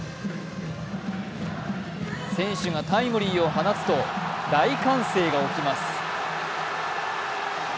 選手がタイムリーを放つと大歓声が起きます。